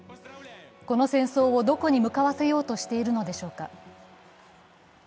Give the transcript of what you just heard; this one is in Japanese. この戦争をどこに向かわせようとしているのでしょうか？